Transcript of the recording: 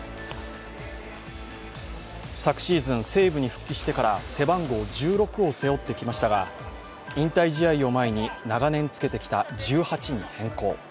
昨シーズン、西武に復帰してから背番号１６を背負ってきましたが引退試合を前に長年つけてきた１８に変更。